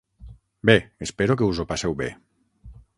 Bé, espero que us ho passeu bé.